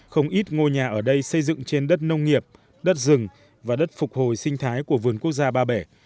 không ít ngôi nhà ở đây xây dựng trên đất nông nghiệp đất rừng và đất phục hồi sinh thái của vườn quốc gia ba bể